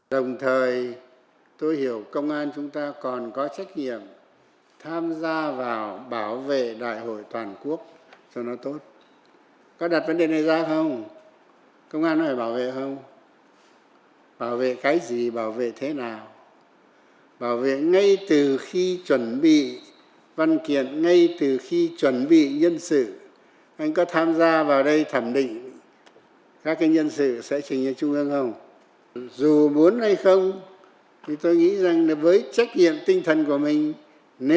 phải bàn theo hướng ấy tập trung bàn công tác xây dựng đảng nhà nước và nhân dân